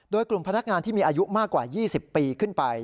โดยกลุ่มพนักงานที่มีอายุมากกว่า๒๐ปีขึ้นไป